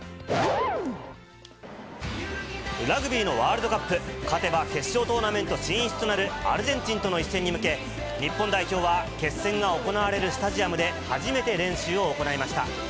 ラグビーのワールドカップ、勝てば決勝トーナメント進出となるアルゼンチンとの一戦に向け、日本代表は決戦が行われるスタジアムで初めて練習を行いました。